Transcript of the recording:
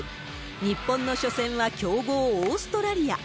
日本の初戦は強豪、オーストラリア。